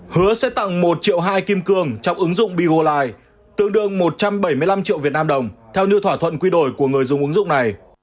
hứa sẽ tặng một triệu hai kim cương trong ứng dụng bgolai tương đương một trăm bảy mươi năm triệu việt nam đồng theo như thỏa thuận quy đổi của người dùng ứng dụng này